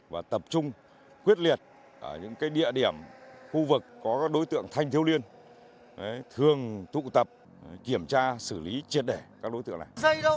và tập trung quyết liệt ở những địa điểm khu vực có các đối tượng thanh thiếu niên thường tụ tập kiểm tra xử lý triệt đẻ các đối tượng này